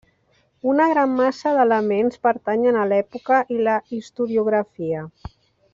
Una gran massa d’elements pertanyen a l’època i la historiografia.